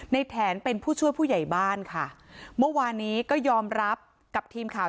แถนเป็นผู้ช่วยผู้ใหญ่บ้านค่ะเมื่อวานนี้ก็ยอมรับกับทีมข่าว